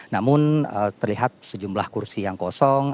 namun terlihat sejumlah kursi yang kosong